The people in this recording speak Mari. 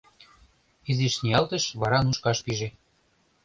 Изиш ниялтыш, вара нушкаш пиже.